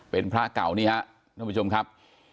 เป็นพระเก่านี่ฮะท่านผู้ชมครับ